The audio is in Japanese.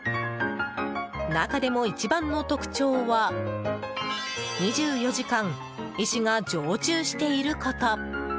中でも一番の特徴は２４時間医師が常駐していること。